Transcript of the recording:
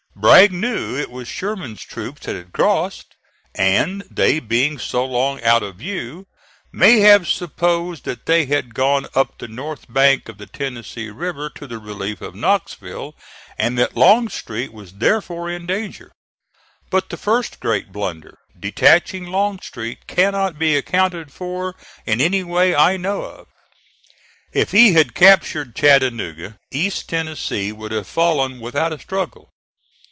Bragg knew it was Sherman's troops that had crossed, and, they being so long out of view, may have supposed that they had gone up the north bank of the Tennessee River to the relief of Knoxville and that Longstreet was therefore in danger. But the first great blunder, detaching Longstreet, cannot be accounted for in any way I know of. If he had captured Chattanooga, East Tennessee would have fallen without a struggle.